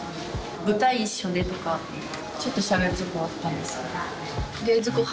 舞台一緒でとかちょっとしゃべるとかはあったんですけど。